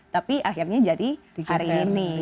tapi akhirnya jadi hari ini